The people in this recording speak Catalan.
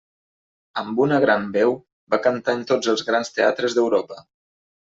Amb una gran veu, va cantar en tots els grans teatres d'Europa.